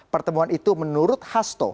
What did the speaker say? pertemuan itu menurut hasto